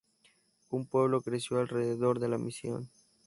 Un pueblo creció alrededor de la misión.